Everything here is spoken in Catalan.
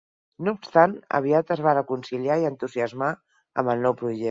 No obstant aviat es va reconciliar i entusiasmar amb el nou projecte.